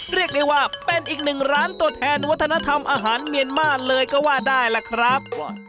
เรียกได้ว่าเป็นอีกหนึ่งร้านตัวแทนวัฒนธรรมอาหารเมียนมาร์เลยก็ว่าได้ล่ะครับ